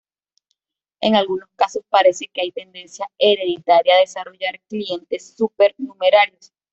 En algunos casos parece que hay tendencia hereditaria a desarrollar dientes supernumerarios.